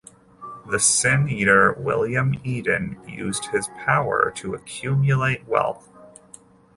The Sin Eater William Eden used his power to accumulate wealth.